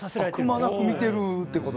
くまなく見てるって事？